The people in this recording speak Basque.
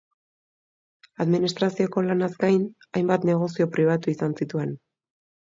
Administrazioko lanaz gain, hainbat negozio pribatu izan zituen.